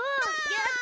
やった！